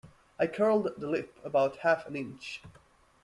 I curled the lip about half an inch.